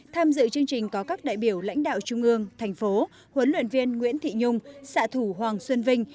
tham dự chương trình có các đại biểu lãnh đạo trung ương thành phố huấn luyện viên nguyễn thị nhung sạ thủ hoàng xuân vinh